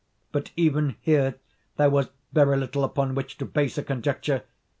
But even here there was very little upon which to base a conjecture.